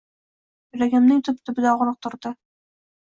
yuragimning tub-tubida ogʻriq turdi.